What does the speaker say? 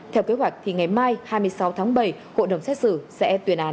theo kế hoạch thì ngày mai hai mươi sáu tháng bảy hội đồng xét xử sẽ tuyên án